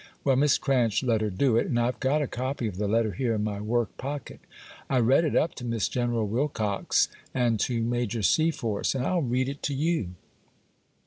Well, Miss Cranch let her do it, and I've got a copy of the letter here in my work pocket. I read it up to Miss General Wilcox's, and to Major Seaforth's, and I'll read it to you.